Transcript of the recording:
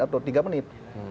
atau tiga menit